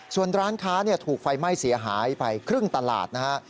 ส่วนร้านค้าถูกไฟไหม้เสียหายไปครึ่งตลาดนะฮะ